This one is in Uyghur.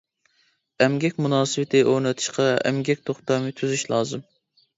ئەمگەك مۇناسىۋىتى ئورنىتىشتا ئەمگەك توختامى تۈزۈش لازىم.